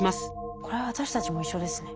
これは私たちも一緒ですね。